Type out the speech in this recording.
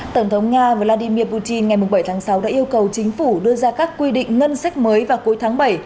tổng thống nga vladimir putin ngày bảy tháng sáu đã yêu cầu chính phủ đưa ra các quy định ngân sách mới vào cuối tháng bảy